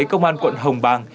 công an quận hồng bàng